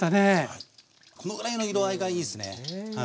はいこのぐらいの色合いがいいっすね。